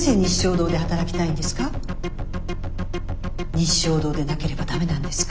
日粧堂でなければダメなんですか？